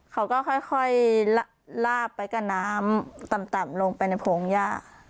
เขาก็ค่อยลาบไปกับน้ำต่ำลงไปในโพงหญ้า